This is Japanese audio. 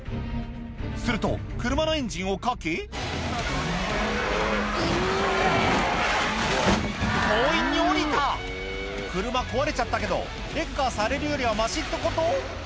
すると車のエンジンをかけ強引に降りた車壊れちゃったけどレッカーされるよりはましってこと？